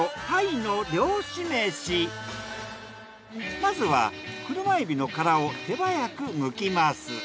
まずはクルマエビの殻を手早くむきます。